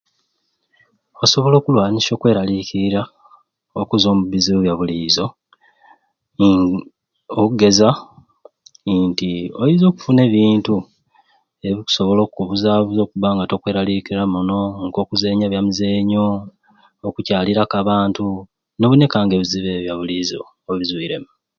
Osobola okulwanisya okwelaliikiira okuzwa omu bizibu bya buliizo uum oggeza nti oinza okufuna ebintu ebikusobola okkubuzaabuza nobba nga tokwelaliikiira muno ng'okuzenya ebya mizenyo, okucaaliraku abantu noboneka nga ebizibu ebyo ebya buliizo obizwiiremu.